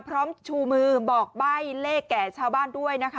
ชูมือบอกใบ้เลขแก่ชาวบ้านด้วยนะคะ